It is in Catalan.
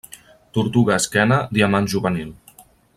Tortuga esquena diamant juvenil.